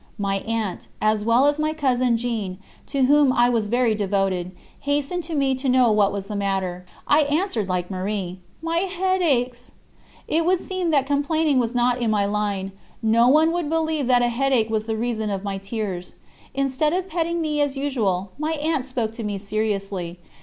My aunt, as well as my cousin Jeanne, to whom I was very devoted, hastened to me to know what was the matter. I answered like Marie: "My head aches." It would seem that complaining was not in my line; no one would believe that a headache was the reason of my tears. Instead of petting me as usual, my aunt spoke to me seriously.